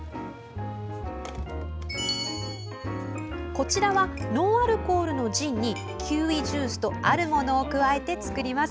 こちらはノンアルコールのジンにキウイジュースとあるものを加えて作ります。